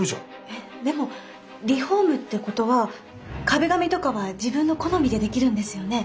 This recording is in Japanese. えっでもリフォームってことは壁紙とかは自分の好みでできるんですよね？